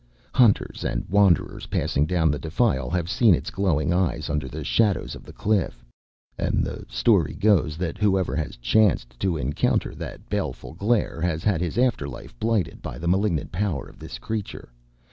Hunters and wanderers passing down the defile have seen its glowing eyes under the shadows of the cliff; and the story goes that whoever has chanced to encounter that baleful glare has had his after life blighted by the malignant power of this creature.